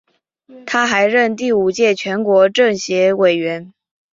他还任第五届全国政协委员。